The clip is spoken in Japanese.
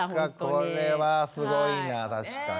これはすごいな確かに。